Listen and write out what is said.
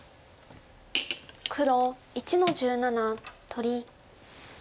黒１の十七取り。